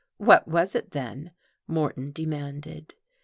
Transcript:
"What was it, then?" Moreton demanded.